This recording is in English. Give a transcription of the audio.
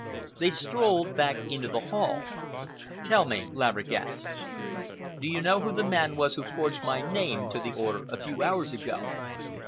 They strolled back into the hall. "Tell me," Laverick asked, "do you know who the man was who forged my name to the order a few hours ago?"